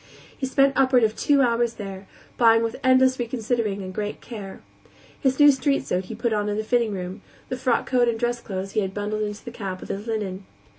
He spent upward of two hours there, buying with endless reconsidering and great care. His new street suit he put on in the fitting room; the frock coat and dress clothes he had bundled into the cab with his linen.